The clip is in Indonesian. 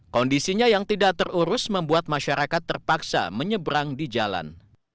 kondisinya yang tidak terurus membuat masyarakat terpaksa menyeberang di jalan